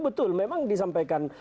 betul memang disampaikan